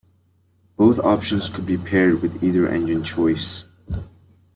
Both options could be paired with either engine choice.